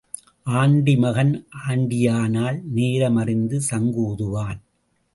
Aunty மகன் ஆண்டியானால் நேரம் அறிந்து சங்கு ஊதுவான்.